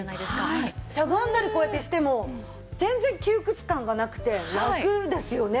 しゃがんだりしても全然窮屈感がなくてラクですよね。